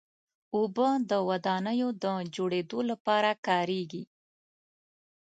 اوبه د ودانیو د جوړېدو لپاره کارېږي.